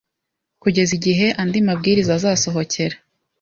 kugeza igihe andi mabwiriza azasohokera